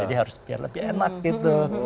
jadi harus biar lebih enak gitu